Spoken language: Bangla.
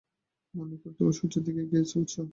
মনে কর, তুমি সূর্যের দিকে এগিয়ে চলেছ।